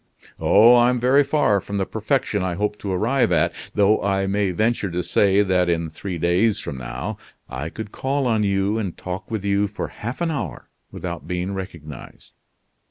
"Oh! I'm very far from the perfection I hope to arrive at; though I may venture to say that in three days from now I could call on you and talk with you for half an hour without being recognized."